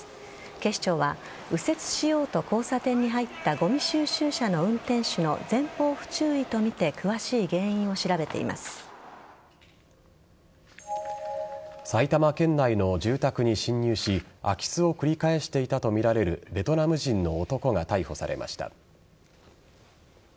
警視庁は右折しようと交差点に入ったごみ収集車の運転手の前方不注意とみて埼玉県内の住宅に侵入し空き巣を繰り返していたとみられるベトナム人の男が逮捕されました。